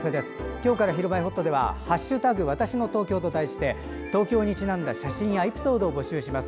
今日から「ひるまえほっと」では「＃わたしの東京」と題して東京にちなんだ写真やエピソードを募集します。